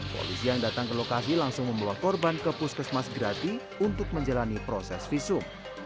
polisi yang datang ke lokasi langsung membawa korban ke puskesmas grati untuk menjalani proses visum